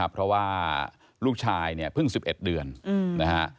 เพราะว่าลูกชายเนี่ยเพิ่ง๑๑เดือนนะฮะ